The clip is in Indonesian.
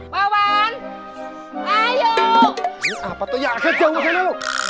pahwan ayo apa tuh ya kejauhan lu